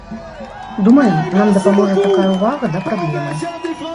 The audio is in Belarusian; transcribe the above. Думаем, нам дапаможа такая ўвага да праблемы.